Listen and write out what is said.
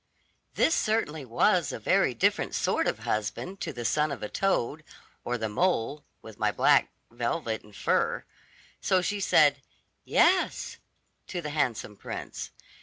This certainly was a very different sort of husband to the son of a toad, or the mole, with my black velvet and fur; so she said, "Yes," to the handsome prince.